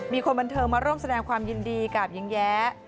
มีคนบันเทิงมาร่วมแสดงความยินดีกับหญิงแย้